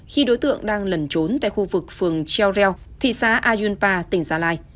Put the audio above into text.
khi đối tượng đang lẩn trốn tại khu vực phường cheo reo thị xá ayunpa tỉnh gia lai